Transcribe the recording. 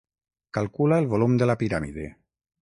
Calcula el volum de la piràmide.